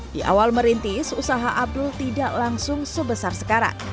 di awal merintis usaha abdul tidak langsung sebesar sekarang